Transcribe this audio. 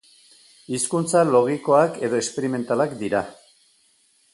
Hizkuntza logikoak edo esperimentalak dira.